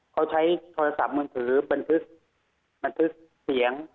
เขาใช้โทรศัพท์มือถือบรรทึกเสียง